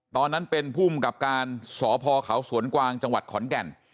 ตอนนั้นเป็นภูมิกับการสพเขาสวนกวางจังหวัดขอนแก่น